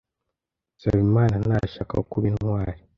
Nsabimana ntashaka kuba intwari.